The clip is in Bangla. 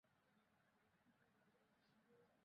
তদেব ব্রহ্ম ত্বং বিদ্ধি নেদং যদিদমুপাসতে।